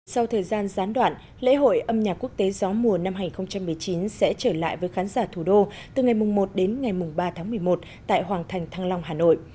sau thời gian gián đoạn lễ hội âm nhạc quốc tế gió mùa năm hai nghìn một mươi chín sẽ trở lại với khán giả thủ đô từ ngày một đến ngày ba tháng một mươi một tại hoàng thành thăng long hà nội